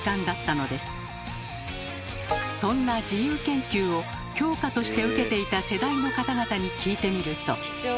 そんな自由研究を教科として受けていた世代の方々に聞いてみると。